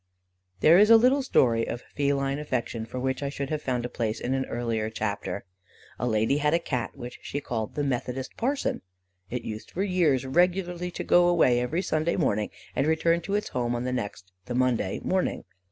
There is a little story of feline affection for which I should have found a place in an earlier chapter. A lady had a Cat which she called "the Methodist Parson." It used for years regularly to go away every Sunday morning, and return to its home on the next (the Monday) morning.